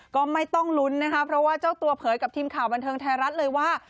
ก็ไม่ต้องลุ้นนะคะเพราะว่าเจ้าตัวเผยกับทีมข่าวบันเทิงไทยรัฐเลยว่า